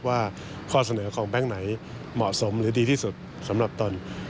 ว่าข้อเสนอของแบงค์ไหนเหมาะสมหรือดีที่สุดสำหรับตน